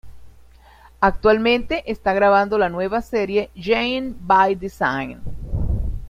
Actualmente está grabando la nueva serie Jane by Design.